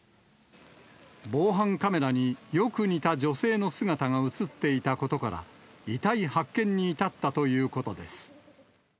防犯カメラによく似た女性の姿が写っていたことから、遺体発見に至ったということです。